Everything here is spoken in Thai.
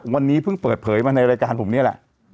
วันนี้เพิ่งเปิดเผยมาในรายการผมนี่แหละ